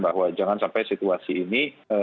bahwa jangan sampai situasi ini